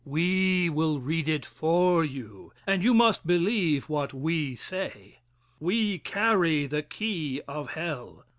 We will read it for you, and you must believe what we say. We carry the key of hell.